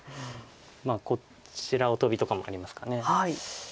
こちらをトビとかもありますか。